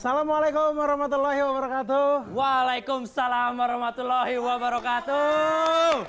assalamualaikum warahmatullahi wabarakatuh waalaikumsalam warahmatullahi wabarakatuh